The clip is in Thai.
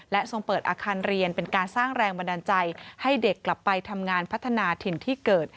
ทรงเปิดอาคารเรียนเป็นการสร้างแรงบันดาลใจให้เด็กกลับไปทำงานพัฒนาถิ่นที่เกิด